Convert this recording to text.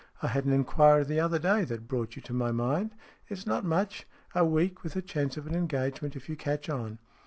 I had an inquiry the other day that brought you to my mind. It's not much. A week, with a chance of an engagement if you catch on."